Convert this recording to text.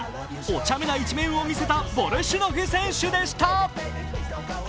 おちゃめな一面を見せたボルシュノフ選手でした。